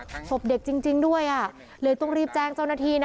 ศพเด็กจริงด้วยอ่ะเลยต้องรีบแจ้งเจ้าหน้าที่นะ